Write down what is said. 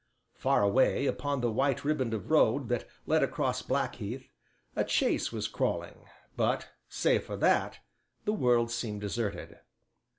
Far away upon the white riband of road that led across Blackheath, a chaise was crawling, but save for that the world seemed deserted.